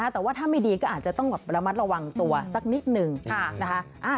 แต่ว่าถ้าไม่ดีก็อาจจะต้องระมัดระวังตัวสักนิดนึงนะคะ